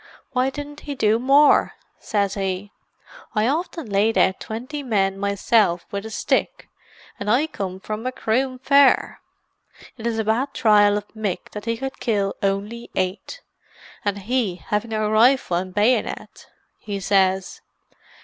'Why didn't he do more?' says he. 'I often laid out twenty men myself with a stick, and I coming from Macroom Fair. It is a bad trial of Mick that he could kill only eight, and he having a rifle and bayonet!' he says.